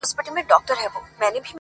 چي كله مخ ښكاره كړي ماته ځېرسي اې ه,